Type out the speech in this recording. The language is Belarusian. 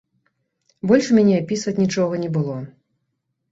Больш у мяне апісваць нічога не было.